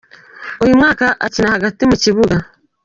Uyu mwana akina hagati mu kibuga .